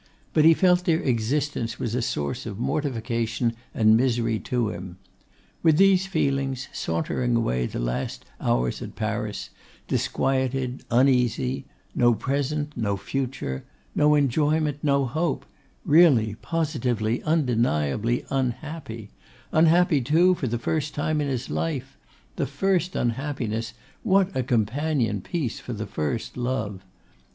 But he felt their existence was a source of mortification and misery to him. With these feelings, sauntering away the last hours at Paris, disquieted, uneasy; no present, no future; no enjoyment, no hope; really, positively, undeniably unhappy; unhappy too for the first time in his life; the first unhappiness; what a companion piece for the first love!